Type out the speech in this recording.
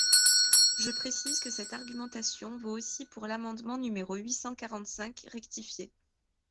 Je précise que cette argumentation vaut aussi pour l’amendement numéro huit cent quarante-cinq rectifié.